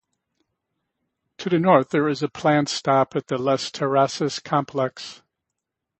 To the north, there is a planned stop at the Les Terrasses Complex.